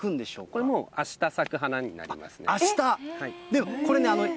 これもう、あした咲く花になあした？